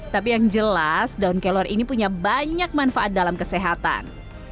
tapi yang jelas daun kelor ini punya banyak manfaat dalam kesehatan